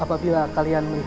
aku mau ke kanjeng itu